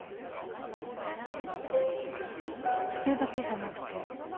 それだけじゃなくて。